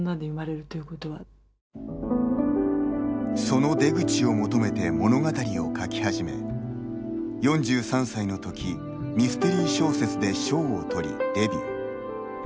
その出口を求めて物語を書き始め４３歳のときミステリー小説で賞を取りデビュー。